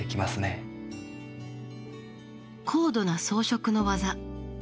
高度な装飾の技。